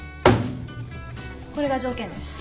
これが条件です。